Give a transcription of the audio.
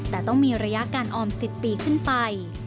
แต่ต้องมีระยะการออม๑๐ปีขึ้นไป